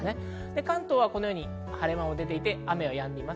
関東は晴れ間も出ていて雨はやんでいます。